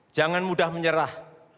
jangan mudah menyerah